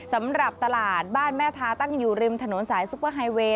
สำหรับตลาดบ้านแม่ทาตั้งอยู่ริมถนนสายซุปเปอร์ไฮเวย์